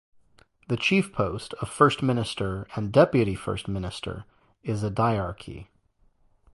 The chief post, of First Minister and deputy First Minister, is a diarchy.